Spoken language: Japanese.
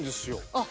あっ。